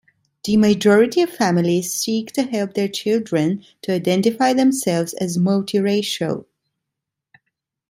The majority of families seek to help their children to identify themselves as multiracial.